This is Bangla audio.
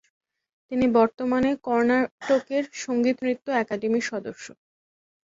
তিনি বর্তমানে কর্ণাটকের সংগীত নৃত্য একাডেমির সদস্য।